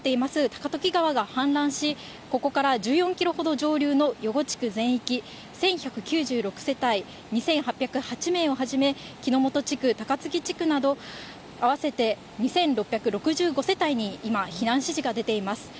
高時川が氾濫し、ここから１４キロほど上流の余呉地区全域１１９６世帯２８０８名をはじめ、ひのもと地区、たかつき地区など、合わせて２６６５世帯に今、避難指示が出ています。